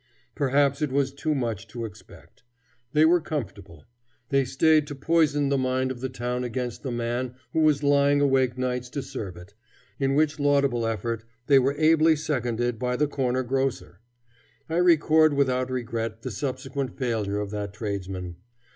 Perhaps it was too much to expect. They were comfortable. They stayed to poison the mind of the town against the man who was lying awake nights to serve it; in which laudable effort they were ably seconded by the corner grocer. I record without regret the subsequent failure of that tradesman.